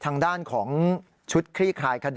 ทั้งน้องสะพ้ายแล้วก็น้องชายของแอมนะครับ